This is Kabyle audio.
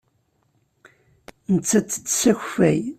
Nettat tettess akeffay.